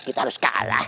kita harus kalah